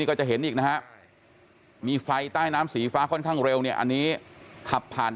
ก็จะเห็นอีกนะฮะมีไฟใต้น้ำสีฟ้าค่อนข้างเร็วเนี่ยอันนี้ขับผ่าน